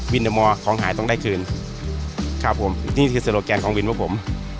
เดอร์มอร์ของหายต้องได้คืนครับผมนี่คือโซโลแกนของวินพวกผม